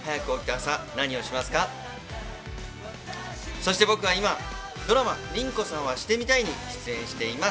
そして僕は今、ドラマ「凛子さんはシてみたい」に出演しています。